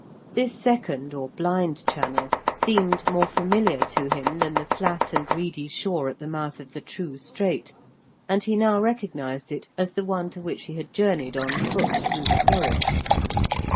This second or blind channel seemed more familiar to him than the flat and reedy shore at the mouth of the true strait, and he now recognised it as the one to which he had journeyed on foot through the forest.